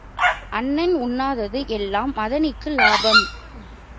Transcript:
அண்ணன் உண்ணாதது எல்லாம் மதனிக்கு லாபம்.